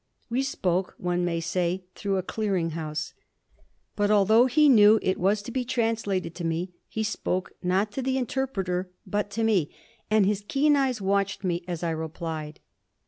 We spoke, one may say, through a clearing house. But although he knew it was to be translated to me, he spoke, not to the interpreter, but to me, and his keen eyes watched me as I replied.